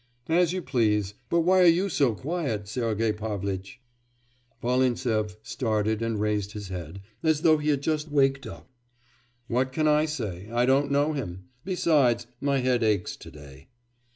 'As you please. But why are you so quiet, Sergei Pavlitch?' Volintsev started and raised his head, as though he had just waked up. 'What can I say? I don't know him. Besides, my head aches to day.